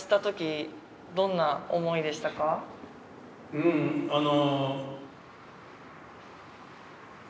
うんあの。